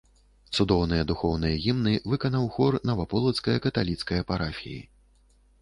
Цудоўныя духоўныя гімны выканаў хор наваполацкае каталіцкае парафіі.